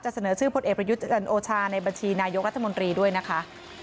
เสนอชื่อพลเอกประยุทธ์จันโอชาในบัญชีนายกรัฐมนตรีด้วยนะคะ